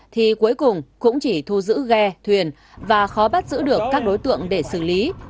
thì cuối cùng cũng chỉ thu giữ ghe thuyền và khó bắt giữ được các đối tượng để xử lý